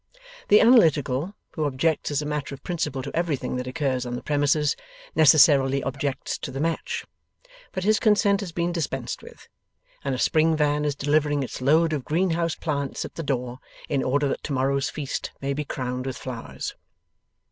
The Analytical, who objects as a matter of principle to everything that occurs on the premises, necessarily objects to the match; but his consent has been dispensed with, and a spring van is delivering its load of greenhouse plants at the door, in order that to morrow's feast may be crowned with flowers.